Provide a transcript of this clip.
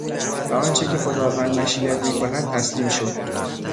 به آنچه که خداوند مشیت میکند تسلیم شو!